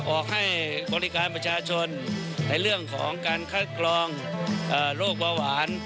ออกให้บริการประชาชนในเรื่องของการคัดกรองโรคเบาหวาน